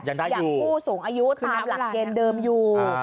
อย่างผู้สูงอายุตามหลักเกณฑ์เดิมอยู่